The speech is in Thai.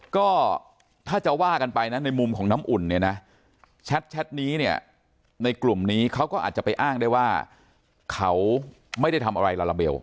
ก็ถ้าจะว่ากันไปนะในมุมของน้ำอุ่นเนี่ยนะแชทนี้เนี่ยในกลุ่มนี้เขาก็อาจจะไปอ้างได้ว่าเขาไม่ได้ทำอะไรลาลาเบล